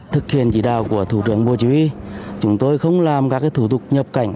thực hiện chỉ đạo của thủ trưởng bộ chỉ huy chúng tôi không làm các thủ tục nhập cảnh